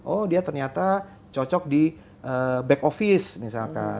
oh dia ternyata cocok di back office misalkan